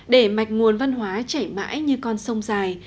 để mạch nguồn văn hóa chảy mãi như con sông dài